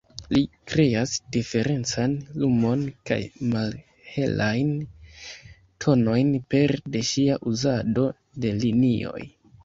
Li kreas diferencan lumon kaj malhelajn tonojn pere de sia uzado de linioj.